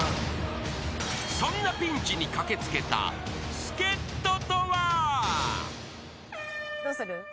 ［そんなピンチに駆け付けた助っ人とは］